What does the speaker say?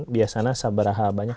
biasanya berapa banyak